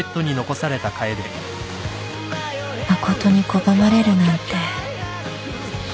誠に拒まれるなんて